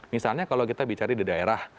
misalnya kalau kita bicara di daerah